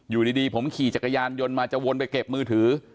อยู่ดีผมขี่จักรยานยนต์มาจะวนไปเก็บมือถือ